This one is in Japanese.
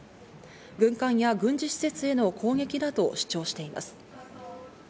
軍艦や軍事施設への攻撃だと主張しています。